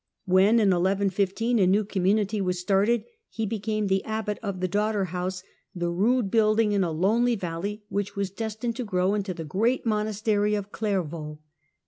When in 1115 a new community was started, he became the abbot of the daughter house, the rude building in a lonely valley which was destined to grow into the great monastery of Clairvaux.